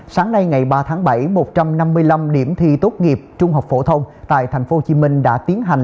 sáng nay ngày ba tháng bảy một trăm năm mươi năm điểm thi tốt nghiệp trung học phổ thông tại tp hcm đã tiến hành